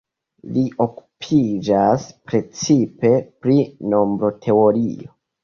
Li okupiĝas precipe pri nombroteorio.